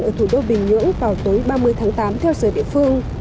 ở thủ đô bình nhưỡng vào tối ba mươi tháng tám theo giờ địa phương